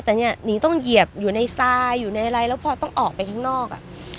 แต่เนี่ยหนีต้องเหยียบอยู่ในทรายอยู่ในอะไรแล้วพอต้องออกไปข้างนอก